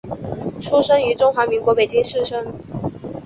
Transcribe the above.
出生于中华民国北京市生。